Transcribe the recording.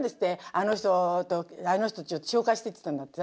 「あの人とあの人紹介して」って言ったんだって。